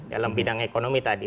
dalam bidang ekonomi tadi